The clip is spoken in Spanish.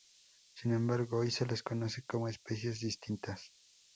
Sin embargo, hoy se les reconoce como especies distintas.